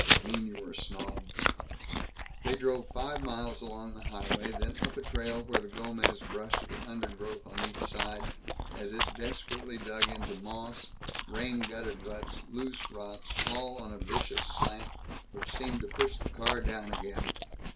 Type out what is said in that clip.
" mean you were a snob!" They drove five miles along the highway, then up a trail where the Gomez brushed the undergrowth on each side as it desperately dug into moss, rain gutted ruts, loose rocks, all on a vicious slant which seemed to push the car down again.